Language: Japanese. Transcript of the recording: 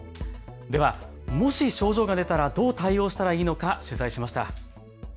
ではもし症状が出たらどう対応したらいいのか取材しました。